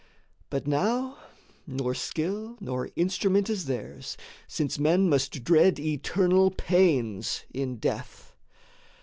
But now nor skill nor instrument is theirs, Since men must dread eternal pains in death.